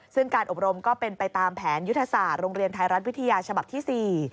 ซึ่งการอบรมก็เป็นไปตามแผนยุทธศาสตร์โรงเรียนไทยรัฐวิทยาฉบับที่๔